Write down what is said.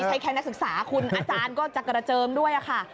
ใช่แค่นักศึกษาคุณอาจารย์ก็จะกระเจิมด้วยค่ะ